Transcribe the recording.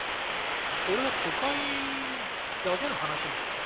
これは都会だけの話なんですか。